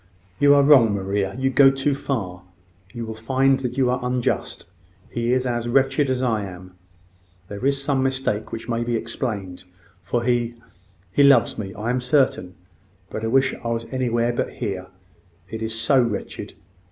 "You are wrong, Maria. You go too far. You will find that you are unjust. He is as wretched as I am. There is some mistake which may be explained: for he... he loves me, I am certain. But I wish I was anywhere but here it is so wretched!"